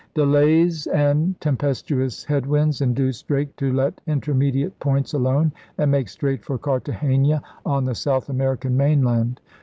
Delays and tempestuous head winds induced Drake to let intermediate points alone and make straight for Cartagena on the South American main land.